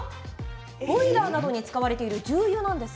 ボイラーなどに使われている重油なんです。